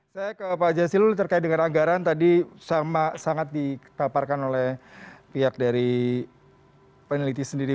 saya ke pak jasilul terkait dengan anggaran tadi sama sangat dipaparkan oleh pihak dari peneliti sendiri